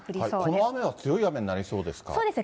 この雨は強い雨になりそうですか？